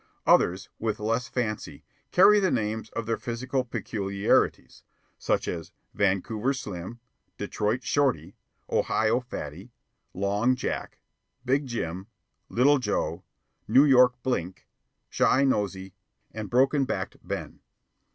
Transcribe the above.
Others, with less fancy, carry the names of their physical peculiarities, such as: Vancouver Slim, Detroit Shorty, Ohio Fatty, Long Jack, Big Jim, Little Joe, New York Blink, Chi Nosey, and Broken backed Ben.